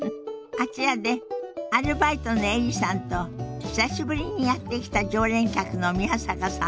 あちらでアルバイトのエリさんと久しぶりにやって来た常連客の宮坂さんのおしゃべりが始まりそうよ。